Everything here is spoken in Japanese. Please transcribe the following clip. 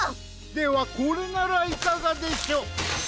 ではこれならいかがでしょ？